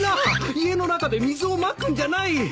家の中で水をまくんじゃない！